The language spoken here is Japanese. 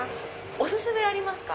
お薦めはありますか？